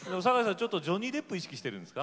ちょっとジョニー・デップ意識してるんですか？